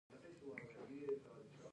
منډه د ځان سره ژوره اړیکه ده